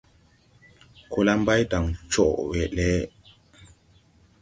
Ko la Mbaydan coʼwe le.